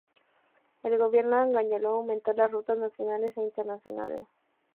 El gobierno angoleño aumentó las rutas nacionales e internacionales.